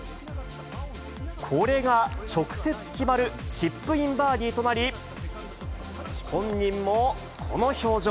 これが直接決まるチップインバーディーとなり、本人もこの表情。